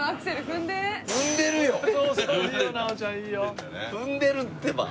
踏んでるってば。